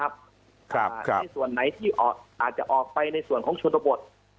ครับครับครับส่วนไหนที่ออกอาจจะออกไปในส่วนของชนบท